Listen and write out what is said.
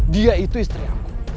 dia itu istri aku